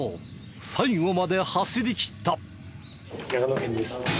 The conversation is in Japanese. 最後まで走りきった。